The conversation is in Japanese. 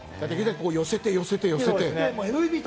寄せて、寄せて、寄せて。